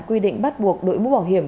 quy định bắt buộc đội mũ bảo hiểm